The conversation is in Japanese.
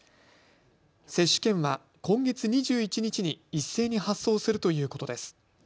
接種券は今月２１日に一斉に発送するということです。